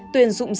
tuyển dụng sức